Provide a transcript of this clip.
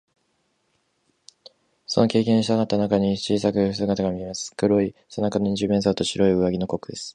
その軽気球の下にさがったかごの中に、小さくふたりの人の姿がみえます。黒い背広の二十面相と、白い上着のコックです。